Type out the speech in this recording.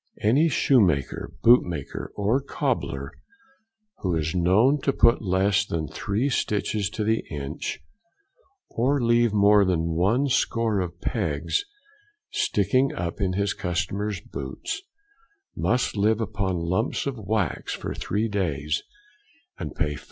Any Shoemaker, Bootmaker, or Cobler, who is known to put less than three stitches to the inch, or leave more than one score of pegs sticking up in his customers' boots, must live upon lumps of wax for three days, and pay 5s.